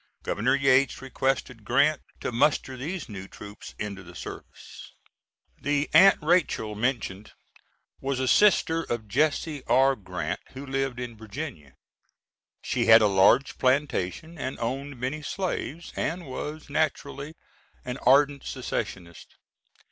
Governor Yates requested Grant to muster these new troops into the service. The Aunt Rachel mentioned was a sister of Jesse R. Grant, who lived in Virginia. She had a large plantation and owned many slaves, and was naturally an ardent secessionist.